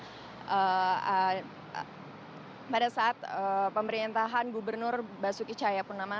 yang diperlakukan pada saat pemerintahan gubernur basuki masyarakat